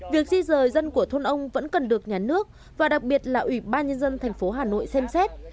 việc di rời dân của thôn ông vẫn cần được nhà nước và đặc biệt là ủy ban nhân dân thành phố hà nội xem xét